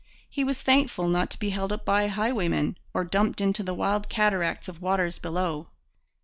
He was thankful not to be held up by highwaymen, or dumped into the wild cataract of waters below.